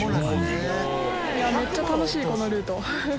めっちゃ楽しいこのルート。